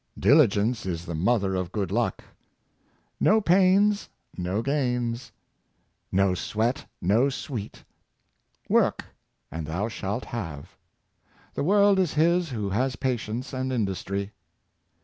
Diligence is the mother of good luck." *'No pains, no gains." "No sweat, no sweet." "Work and thou shalt have." " The world is his who has patience and industry."